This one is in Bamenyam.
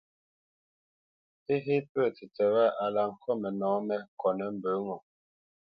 Féfé pə̂ tǎʼ tsətsət wâ a la ŋkôt mənɔ̌ mé kotnə́ mbə ŋo.